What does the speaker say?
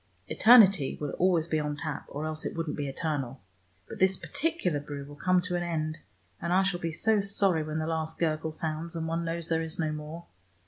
Eternity will always be on tap, or else it wouldn't be eternal. But this particular brew will come to an end, and I shall be so sorry when the last gurgle sounds, and one knows there is no more.